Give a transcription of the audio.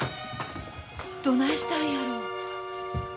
どないしたんやろ。